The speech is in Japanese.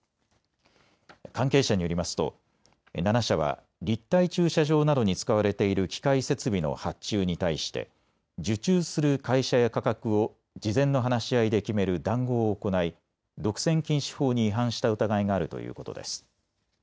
関係者によりますと、７社は立体駐車場などに使われている機械設備の発注に対して受注する会社や価格を事前の話し合いで決める談合を行い独占禁止法に違反した疑いがあるということです。